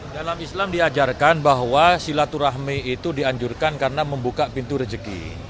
dalam islam diajarkan bahwa silaturahmi itu dianjurkan karena membuka pintu rezeki